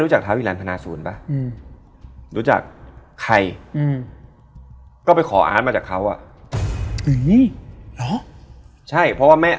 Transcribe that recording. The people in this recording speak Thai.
ใช่ผู้ร่วมชะตากรรม